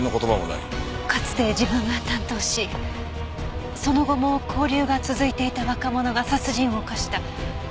かつて自分が担当しその後も交流が続いていた若者が殺人を犯した。